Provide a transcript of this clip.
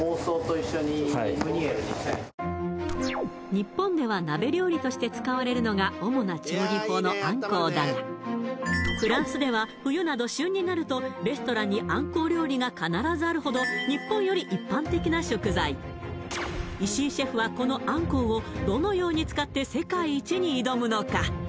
日本では鍋料理として使われるのが主な調理法のアンコウだがフランスでは冬など旬になるとレストランにアンコウ料理が必ずあるほど日本より一般的な食材石井シェフはこのアンコウをどのように使って世界一に挑むのか？